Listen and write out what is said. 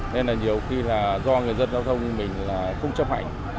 nên nhiều khi do người dân giao thông như mình không chấp hành